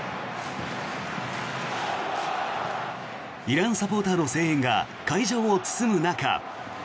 イランサポーターの声援が会場を包む中。